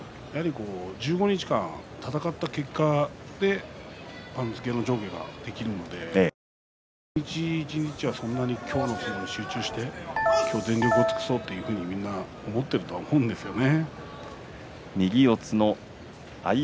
１５日間戦った結果で番付の上下が、できるので一日一日に集中して今日、全力を尽くそうというふうに思っていると思うんですよね。